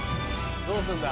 どうすんだ？